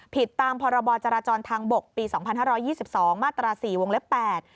ผิดตามพรจราจรทางบกปี๒๕๒๒มาตรา๔วงเล็ก๘